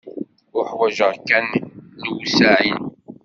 Uḥwaǧeɣ kan lewseɛ-inu.